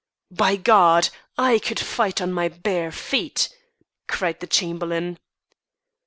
"By God! I could fight on my bare feet," cried the Chamberlain.